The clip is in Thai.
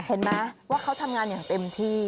เห็นไหมว่าเขาทำงานอย่างเต็มที่